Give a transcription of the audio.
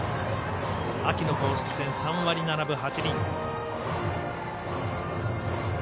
秋の公式戦３割７分８厘。